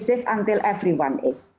sampai semua orang